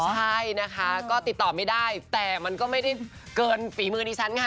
ใช่นะคะก็ติดต่อไม่ได้แต่มันก็ไม่ได้เกินฝีมือดิฉันค่ะ